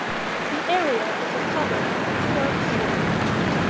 The area is a suburb of New York City.